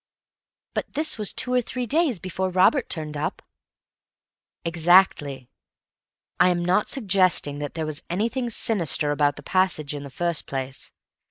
"But this was two or three days before Robert turned up." "Exactly. I am not suggesting that there was anything sinister about the passage in the first place.